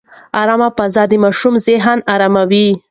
ارامه فضا د ماشوم ذهن اراموي.